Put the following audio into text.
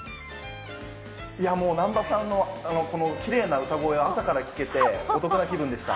もう、南波さんのきれいな歌声を朝から聴けてお得な気分でした。